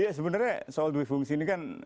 iya sebenarnya soal duit fungsi ini kan